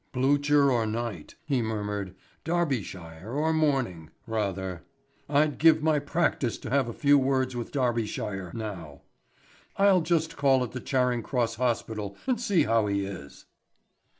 "'Blucher or night,'" he murmured, "Darbyshire or morning, rather. I'd give my practice to have a few words with Darbyshire now. I'll just call at the Charing Cross Hospital and see how he is."